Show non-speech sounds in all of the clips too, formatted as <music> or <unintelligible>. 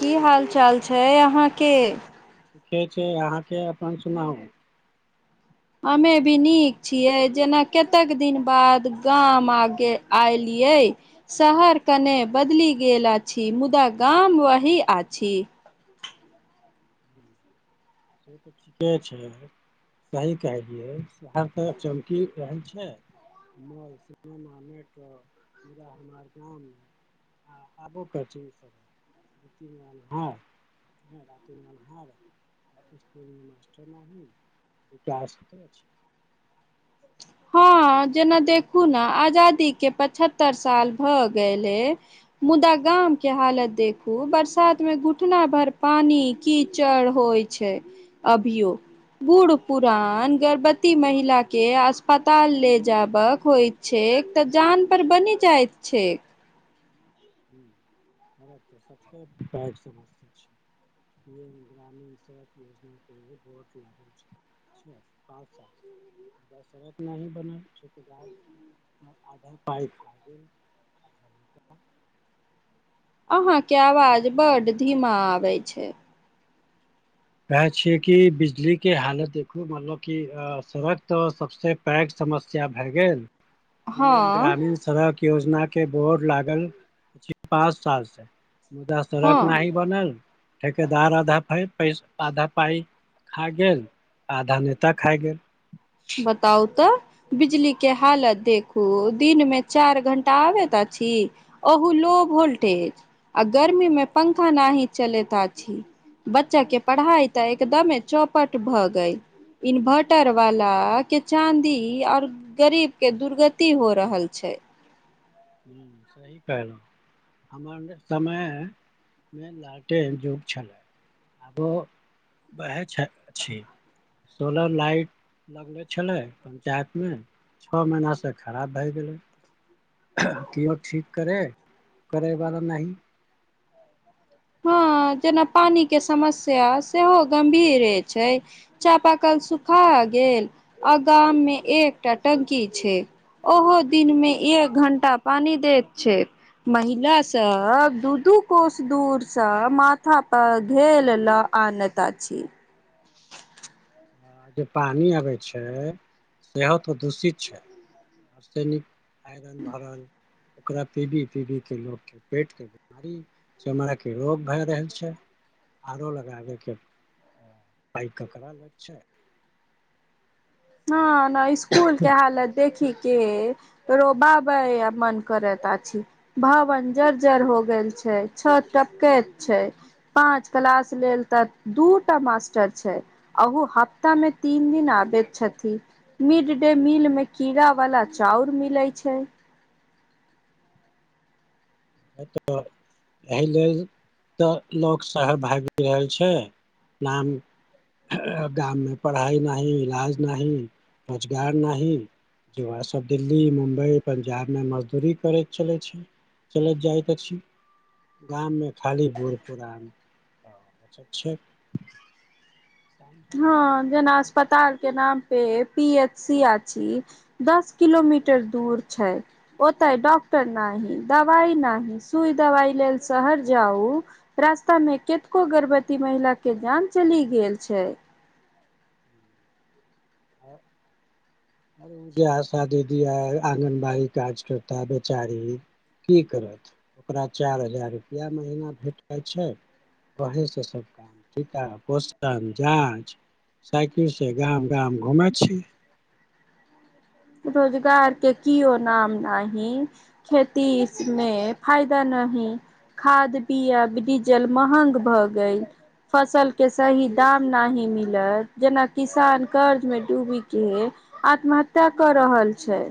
की हाल चाल छै अहाँके? ठीके छै, अहाँके अपन सुनाउ? हमे भी नीक छियै, जेना कतेक दिन बाद गाम आगे आयलियै। शहर हूँ, कने बदलि गेल अछि, मुदा गाम वही आछि। ह <inaudible> से त ठीके छै। सही कहलियै शहर त चमकि रहल छै। मॉल सिनेमा नेटवर्क गाँव आबो पहचान ह। व <unintelligible> हँ जेना देखू ने आजादीके पचहत्तरि साल भ गेलै। मुदा गाम के हालत देखू बरसात में घुटना भर पानी कीचड़ होय छै। छै, अभियो बूढ़ पुरान, गर्भवती महिला के आस स् पताल ले जायब होइत छैक त जान पर बनि जाइत छैक। ह त सबसे पइघ समसा छीक्षंक्ष पीएम ग्रामीण सड़क योजना के लेल बोड लागै छै। पच सा <inaudible> दशरत नही बनल चौकीदार हमर आधा पाइ खा गेल। अहां के आवाज बड धीमा आबै छै। कहै छियै कि बिजलीके हालत देखू मतलब कि सड़क त सबसे पैघ समस्या भय गेल हँ पीएम ग्रामीण सड़क योजना के बोर्ड लागल अछि पाँच साल से मुदा सड़क हँ नहि ही बनल, ठेकेदार आधा पाइ आधा पाइ खाय गेल आधा नेता खा गेल। बताउ त। बिजली के हालत देखू दिन मे चार घंटा आबैत अछी। ओहो लो वोल्टेज आ गर्मी मे पंखा नही चलैत अछि। बच्चा के पढ़ाई ते एकदमे चौपट भ गे इन्वर्टर वाला के चाँदी और गरीब के दुर्गति हो रहल छै्। हूं सही कहलियै। हमर समयमे लाटे युग छलै। आबो वैह छै सोलर लाइट लगले छलै पञ्चायतमे छओ महिनासँ खराब भए गेलै। किओ ठीक करै करैवला नहि। हँ जेना पानि के समस्या सेहो गम्भीर छै। चापाकल सुखा गेल आ गाम मे एकटा टंकी छै। ओहो दिनमे एक घंटा पानी दैत छै। महिला सब दू दू कोस दूर से माथा पर घेल ल आनैत अछि। <inaudible> आओ जे पानि अबै छै सेहो त दूषित छै। आरसेनिक आइरन भरल ओकरा पीडी पीडी के लोग के पेट के बीमारी, चमरा के रोग भए रहल छै आरो लगाबे के पाइ ककरा लग छै? हं ने इसकुल के हालत देखिके रो बाबै मन करैत अछि। भवन जर्जर हो गेल छै छत टपके छै। पाँच क्लास लेल त दूटा मास्टर छै। अहु हफ्ता मे तीन दिन आबैत छथि‍। मिड डे मील मे कीड़ा वाला चाउर मिले छै। ह त एहि लेल त लोक सहर भागि रहल छै नाम गाममे पढ़ाइ नहि, इलाज नहि, रोजगार नहि युवा सब दिल्ली मुम्बई पंजाबमे मजदूरी करै चलै छै। चलैत जाइके छी गाममे खाली बूढ़ पुरान आ हं बचै छै। हँ जेना अस्पताल के नाम पे पी एच सी अछि। दस किलोमीटर दूर छै ओतय डॉक्टर नाही दबाइ नाही सुइ दवाइ लेल शहर जाउ रास्ता मे केतको गर्भवती महिला के जान चली गेल छै। <inaudible> शादी बियाह आंगनबाड़ी कार्यकर्ता बेचारी की करत, ओकरा चारि हजार रुपैआ महीना भेट जाइ छै ओहि से सब काम टीका, पोषण, जाँच साइकिल से गाम गाय घुमै छै। रोजगार के किओ नाम नहि। खेती मे फायदा नहि खाद बीआब डीजल महग भ गेल। फसलके सही दाम नहि ही मिलत जेना किसान कर्जमे डूबिके आत्महत्या क रहल छै।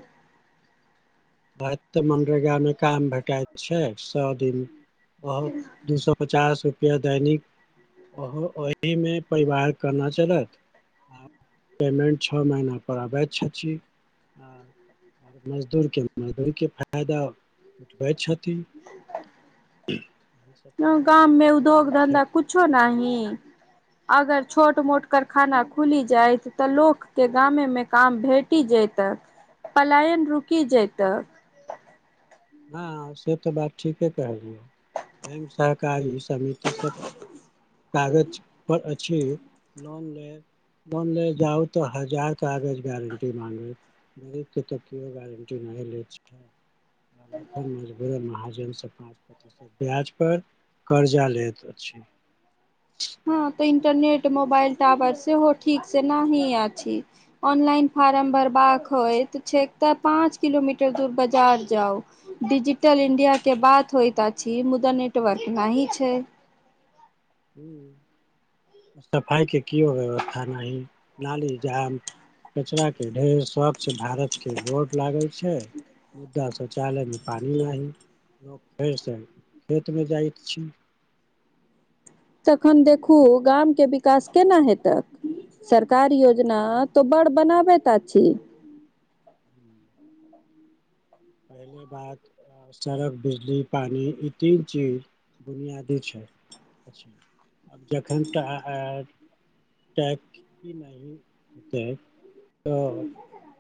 बस मनरेगा मे काम भेटाइत छै सौ दिन बहुत दू सौ पचास के दैनिक ओ एहि मे परिवार केना चलत पेमेंट छओ महीना पर आबैत छथि, मजदूर के मजदूर के फायदा उठबै छथि। सब तो गाममे कहि उद्योग रहल छै धंधा कुछो नहि। अगर छोट मोट कारखाना खुली जायत त लोक के गामे मे काम भेट टि जैत पलायन रुकि जैत। हँ से त बात ठीके कहलियै, बैंक सहकारी समिति सब कागज पर अछि लोन ले लोन ले जाउ त हजार कागज गारंटी माँंगत। गरीबके त केओ गारंटी नहि लै छै। तखन मजबूर महाजनसँ पाँच प्रतिशत ब्याज पर कर्जा लैत अछि। हँ त इंटरनेट मोबाइल टावर सेहो ठीक से न ही अछि। ऑनलाइन फार्म भरबाक होयत छै एक त पाँच किलोमीटर दूर बाजार जाउ। डिजिटल इण्डियाके बात होइत अछि मुदा नेटवर्क नहि छै। हुं सफाइ के केओ व्यवस्था नहि, नाली जाम कचरा के ढेर, स्वच्छ भारत के बोर्ड लागल छै मुदा शौचालयमे पानि नहि, लोक फेरसँ खेतमे जाइत छै। तखन देखू गामके विकास केना हेतै। सरकार योजना त बड़ बनाबैत अछि। हूँ <inaudible> पहले बात अ, सड़क, बिजली, पानी ई तीन चीज बुनियादी छै। आब जखन त ै की नहि ै <unintelligible> त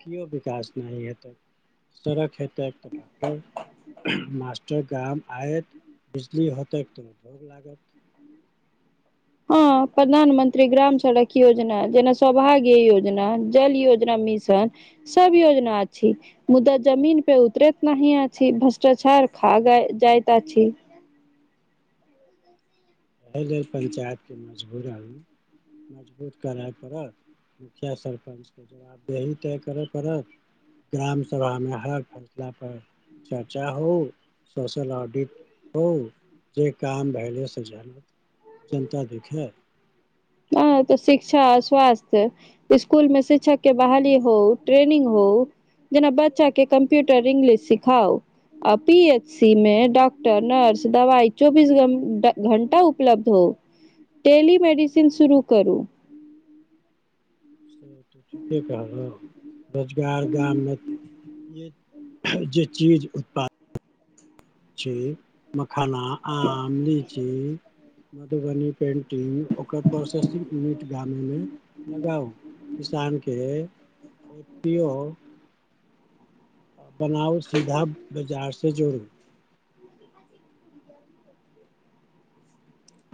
केओ विकास नहि हेतै, सड़क हेतै। एकटा डाक्टर मास्टर गाम आयत बिजली हेतै त भोग लागत हँ, प्रधानमंत्री ग्राम सड़क योजना जेना सौभाग्य योजना, जल योजना मिश छै, सब योजना अछि। मुदा जमीन पे उतरैत नहि अछि, भ्रष्टाचार खा जाइत अछि। एहि लेल पंचायत के मजबूर आदमी। मजबूत करय पड़त, मुखिया सरपंचके जवाबदेही तय करय पड़त। ग्राम सभामे हर फैसला पर चर्चा हो, सोशल ऑडिट हो, जे काम भेलै जानु, जनता दुखी अछि। हँ, त शिक्षा, स्वास्थ्य स्कूल मे शिक्षक के बहाली हो, ट्रेनिंग हो जेना बच्चा के कम्प्यूटर इंग्लिश सिखाउ। आ पी एच सी मे डॉक्टर, नर्स, दवाइ चौबीस घ घण्टा उपलब्ध हो। टेली मेडिसिन शुरू करू। त ठीके कहल यौ, रोजगार बिहारमे जे चीज उत्पाद छै मखाना, आम, लीची मधुबनी पे टिंग ओकर प्रोसेसिंग यूनिट गामेमे लगाउ। किसान के <unintelligible> बनाउ सीधा बाजारसँ जोड़ू।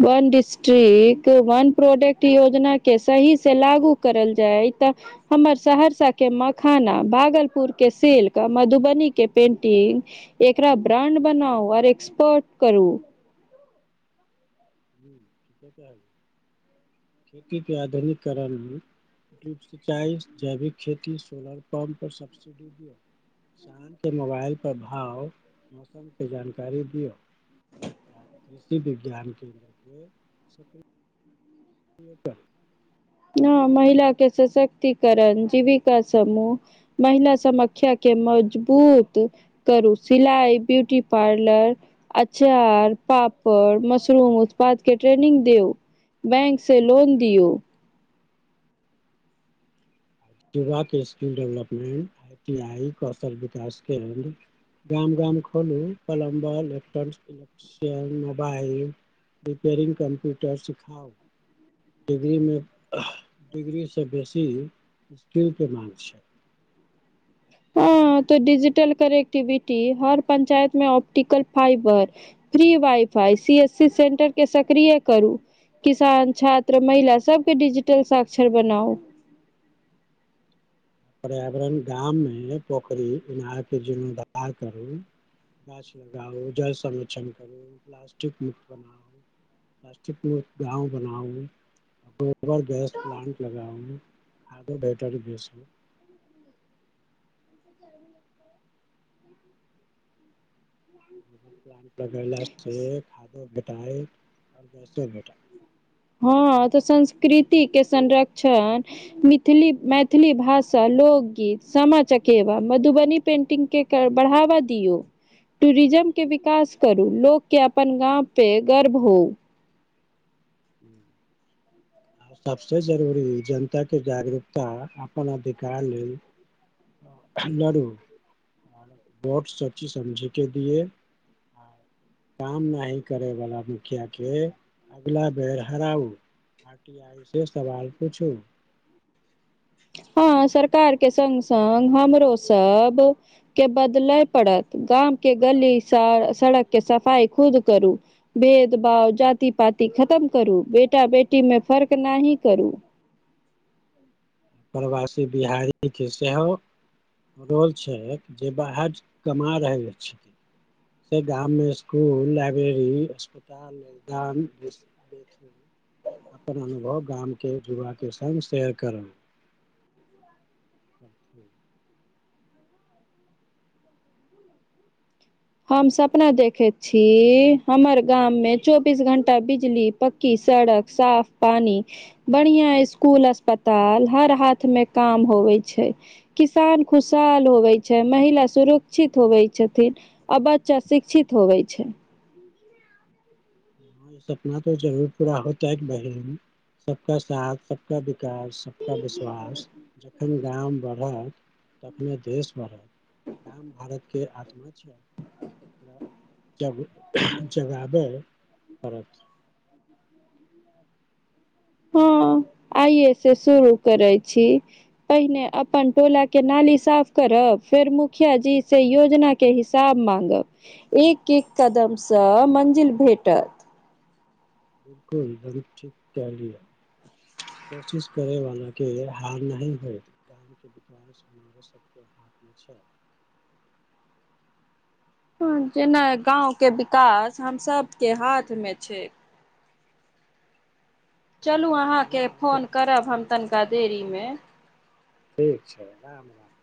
वन डिस्ट्रिक्ट, वन प्रोडक्ट योजनाके सही से लागू करल जाय तऽ हमर सहरसा के मखाना, भागलपुर के सिल्क, मधुबनी के पेंटिंग एकरा ब्राण्ड बनाउ और एक्सपोर्ट करू। हं खेती के आधुनिकीकरण मे सिंचाइ, जैविक खेती, सोलर पम्प पर सब्सिडी दियौ। सांझके मोबाइल पर भाव, मौसमके जानकारी दियौ। आ कृषि विज्ञान केन्द्रके <unintelligible> हँ, महिला के सशक्तिकरण, जीविका समूह महिला समाख्या के मजबूत करू, सिलाइ, ब्यूटी पार्लर अचार, पापड़, मशरूम उत्पाद के ट्रेनिंग दौ। बैंक से लोन दियौ। चवा के skill development, I T I कौशल विकास केन्द्र गाम गाम खोलू, पलम्बर, इलेक्ट्रानिक्स शेयर, मोबाइल रिपेरिंग, कम्प्यूटर सिखाउ। डिग्रीमे डिग्रीसँ बेसी स्किल के मांग छै। हँ, त डिजिटल कनेक्टिविटी हर पंचायत में optical fibre free wifi, C S C सेन्टरके सक्रिय करू। किसान, छात्र, महिला, सबके डिजिटल साक्षर बनाउ। पर्यावरण गाममे पोखरि, इनारके जीर्णोद्धार करू। गाछ लगाउ, जल संरक्षण करू, प्लास्टिक मुक्त बनाउ। प्लास्टिक मुक्त गांव बनाउ गोबर गैस प्लांट लगाउ खादो भेटत बेसी <inaudible> प्लांट लगेला से खादो भेटाय और गैसो भेटाय हँ तऽ संस्कृति के संरक्षण मिथली मैथिली भाषा, लोकगीत, सामा चकेवा, मधुबनी पेंटिंग के के बढ़ावा दियौ टूरिज्मके विकास करू, लोक के अपन गाम पे गर्व होउ <inaudible> आ सबसे जरुरी जनता के जागरूकता अपन अधिकार लेल लडू वोट सोची समझी के दिये काम नाही करे बाला मुखिया के अगला बेर हराउ आर टी आई से सवाल पूछू हँ सरकार के संग संग हमरो सब के बदलय पड़त गाम के गली सर सड़क के सफाई खुद करू भेद- भाव, जाति पाति खतम करू, बेटा बेटी में फर्क नाही करू प्रवासी बिहारी के सेहो रोल छैत जे बाहर कमा रहल छथि से गाम में स्कुल, लाइब्रेरी, अस्पताल, मैदान इ सब लेल अपन अनुभव गामके युवाके संग शेयर करू। <unintelligible> हम सपना देखैत छी हमर गाममे चौबीस घण्टा बिजली पक्की सड़क, साफ पानी बढ़िया इसकुल, अस्पताल, हर हाथ मे काम होवे छै किसान खुशहाल होबै छै, महिला सुरुक्षित होबै छथिन आ बच्चा शिक्षित होबै छै। हं ई सपना त जरूर पूरा होतैक बहिन सबका साथ सब सबका विकास, सबका विश्वास जखन गाम बढ़त तखने देश बढ़त गाम भारतके आत्मा छियै जब जगाबै पड़त। हँ आइए से शुरू करै छी पहिने अपन टोला के नाली साफ करब फेर मुखिया जी से योजना के हिसाब मांगब एक-एक कदमसँ मंजिल भेटत बिलकुल बहूत ठीक कहेलिऐ कोशिश करै वाला के हार नहि होयत गाम के विकास हमारो सबके हाथमे छै। जेना गाँवके विकास हमसब के हाथमे छै चलू अहाँके हाँ तो फोन करब हम तनिका देरी मे ठीक छै राम राम